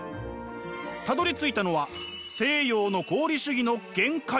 たどりついたのは西洋の合理主義の限界。